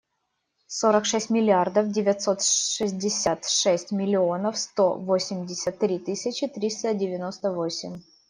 Сорок шесть миллиардов девятьсот шестьдесят шесть миллионов сто восемьдесят три тысячи триста девяносто восемь.